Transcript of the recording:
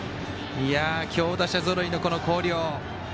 強打者ぞろいの広陵。